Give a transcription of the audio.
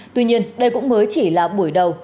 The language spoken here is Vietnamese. tuy nhiên đây cũng mới chỉ là buổi đầu